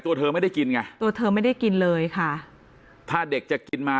ตัวเธอไม่ได้กินไงตัวเธอไม่ได้กินเลยค่ะถ้าเด็กจะกินมา